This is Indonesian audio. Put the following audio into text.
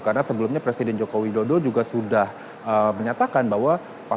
karena sebelumnya presiden joko widodo juga sudah menyatakan bahwa